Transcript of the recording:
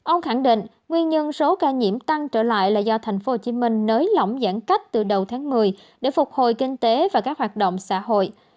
ông khẳng định nguyên nhân số ca nhiễm tăng trở lại là do tp hcm nới lỏng giãn cách từ đầu tháng một mươi để phục hồi kinh tế và các hoạt động xã hội